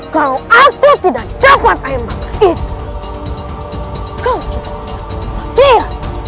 kalau aku tidak dapat ayam bakar itu kau juga tidak dapat lagi ya